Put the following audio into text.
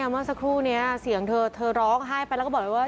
เมื่อสักครู่นี้เสียงเธอเธอร้องไห้ไปแล้วก็บอกเลยว่า